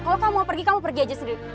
kalau kamu mau pergi kamu pergi aja sendiri